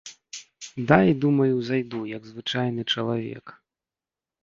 Дай, думаю, зайду, як звычайны чалавек.